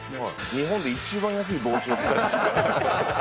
日本で一番安い帽子を使いました。